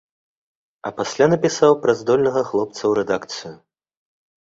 А пасля напісаў пра здольнага хлопца ў рэдакцыю.